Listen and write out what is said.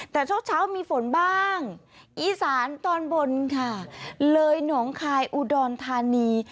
แต่เช้าเช้ามีฝนบ้างอีสานตอนบนค่ะเลยหนองคายอุดรธานี